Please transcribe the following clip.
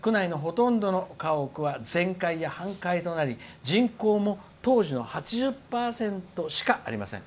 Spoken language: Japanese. ほとんどの家屋が全壊や半壊となり人口も当時の８０％ぐらいしかありません。